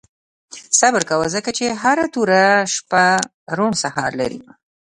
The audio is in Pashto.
• صبر کوه، ځکه چې هره توره شپه روڼ سهار لري.